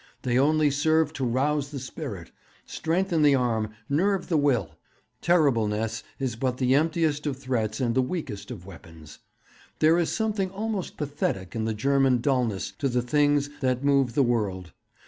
They only serve to rouse the spirit, strengthen the arm, nerve the will. "Terribleness" is but the emptiest of threats and the weakest of weapons. There is something almost pathetic in the German dullness to the things that move the world.